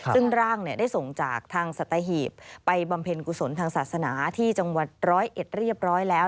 ซึ่งร่างได้ส่งจากทางสัตหีบไปบำเพ็ญกุศลทางศาสนาที่จังหวัดร้อยเอ็ดเรียบร้อยแล้ว